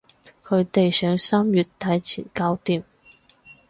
佢哋想三月底前搞掂